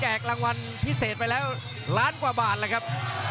รางวัลพิเศษไปแล้วล้านกว่าบาทเลยครับ